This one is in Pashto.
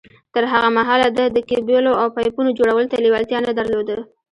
تر هغه مهاله ده د کېبلو او پايپونو جوړولو ته لېوالتيا نه درلوده.